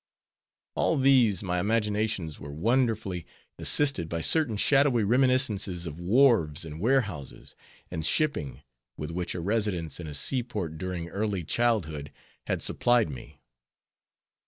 All these my imaginations were wonderfully assisted by certain shadowy reminiscences of wharves, and warehouses, and shipping, with which a residence in a seaport during early childhood had supplied me.